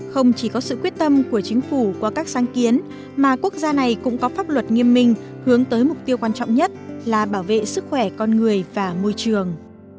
không chỉ có sự quyết tâm của chính phủ qua các sáng kiến mà quốc gia này cũng có pháp luật nghiêm minh hướng tới mục tiêu quan trọng nhất là bảo vệ sức khỏe con người và môi trường